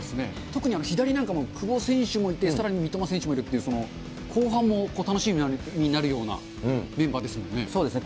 特に左なんかも、久保選手もいて、さらに三笘選手もいるっていう、後半も楽しみになるようなメンバそうですね。